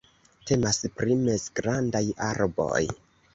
Temas pri mezgrandaj arboj.